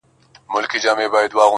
زما خبري خدايه بيرته راکه ~